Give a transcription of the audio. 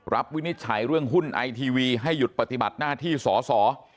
วินิจฉัยเรื่องหุ้นไอทีวีให้หยุดปฏิบัติหน้าที่สอสอ